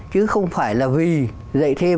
chứ không phải là vì dạy thêm